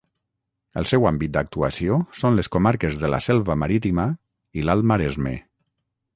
El seu àmbit d'actuació són les comarques de la Selva Marítima i l'Alt Maresme.